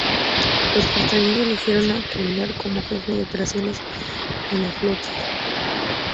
Los cartagineses eligieron a Amílcar como jefe de operaciones de la flota.